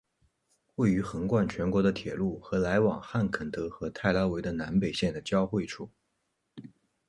位于横贯全国的铁路和来往汉肯德和泰拉维的南北线的交汇处。